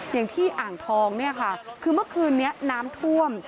อย่างที่อ่างทองคือเมื่อคืนนี้น้ำท่วม